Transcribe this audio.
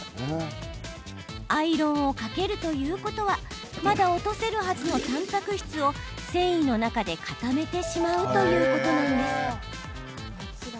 アイロンをかけるということはまだ落とせるはずのたんぱく質を繊維の中で固めてしまうということなんです。